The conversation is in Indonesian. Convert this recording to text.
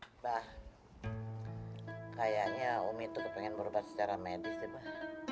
mbak kayaknya umi tuh pengen berubat secara medis mbak